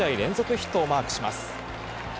ヒットをマークします。